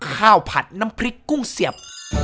ผัดน้ำพริกกุ้งเสียบ